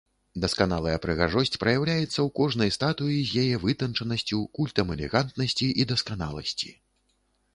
Дасканалая прыгажосць праяўляецца ў кожнай статуі з яе вытанчанасцю, культам элегантнасці і дасканаласці.